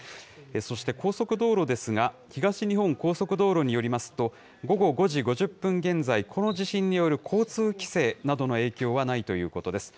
そして高速道路ですが、東日本高速道路によりますと、午後５時５０分現在、この地震による交通規制などの影響はないということです。